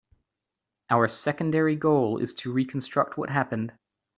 Our secondary goal is to reconstruct what happened.